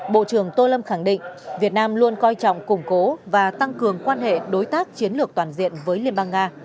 bộ trưởng tô lâm khẳng định việt nam luôn coi trọng củng cố và tăng cường quan hệ đối tác chiến lược toàn diện với liên bang nga